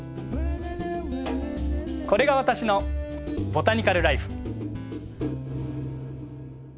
これが私のボタニカル・らいふ。